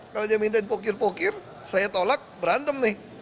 kalau dia minta dipokir pokir saya tolak berantem nih